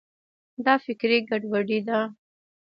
دا فکري ګډوډي ده.